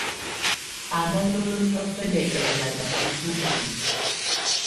Á ná hìóló niɔ̀fɛna ɛŋganda yɛ́ bǝ́tulǝ́.